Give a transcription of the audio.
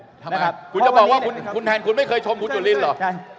ทำไมครับคุณจะบอกว่าคุณแทนคุณไม่เคยชมคุณจุลินเหรอใช่